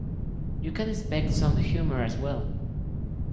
You can expect some humour as well.